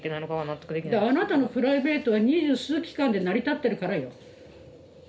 だからあなたのプライベートは二十数機関で成り立ってるからよ。